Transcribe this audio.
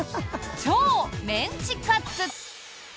超メンチカツ。